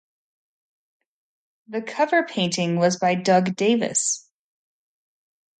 The cover painting was by Doug Davis.